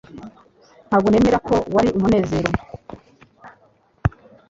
Ntabwo nemera ko wari umunezero.